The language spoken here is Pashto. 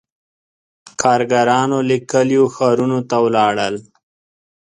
• کارګرانو له کلیو ښارونو ته ولاړل.